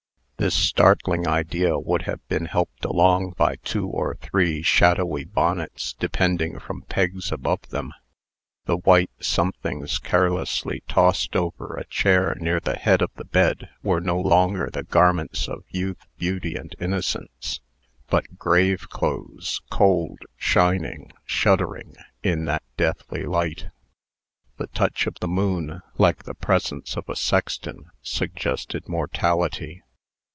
This startling idea would have been helped along by two or three shadowy bonnets depending from pegs above them. The white somethings carelessly tossed over a chair near the head of the bed, were no longer the garments of youth, beauty, and innocence, but graveclothes, cold, shining, shuddering, in that deathly light. The touch of the moon, like the presence of a sexton, suggested mortality.